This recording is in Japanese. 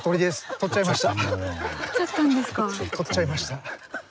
採っちゃいました。